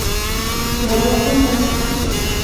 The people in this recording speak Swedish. Ja, jag kommer.